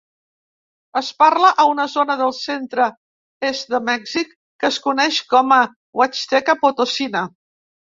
Es parla a una zona del centre-est de Mèxic que es coneix com a "Huaxteca-Potossina".